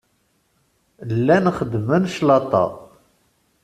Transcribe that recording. Llan xeddmen claṭa.